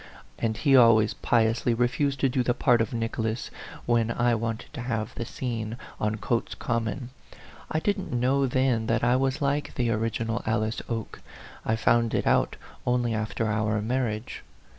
and he always piously refused to do the part of Nicholas, when I wanted to have the scene on Cotes Common. I didn't know then that I was like the original Alice Oke ; I found it out only after our marriage.